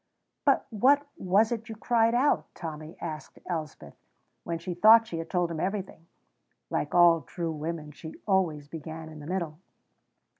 "But what was it you cried out?" Tommy asked Elspeth, when she thought she had told him everything. (Like all true women, she always began in the middle.)